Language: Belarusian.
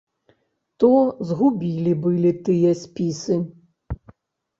То згубілі былі тыя спісы.